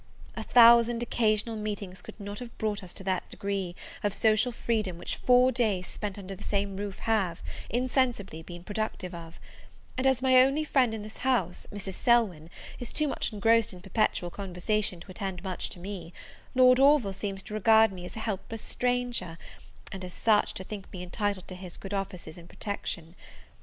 A thousand occasional meetings could not have brought us to that degree of social freedom, which four days spent under the same roof have, insensibly, been productive of: and, as my only friend in this house, Mrs. Selwyn, is too much engrossed in perpetual conversation to attend much to me, Lord Orville seems to regard me as a helpless stranger, and, as such, to think me entitled to his good offices and protection.